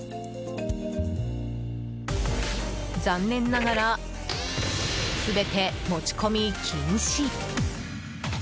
残念ながら、全て持ち込み禁止。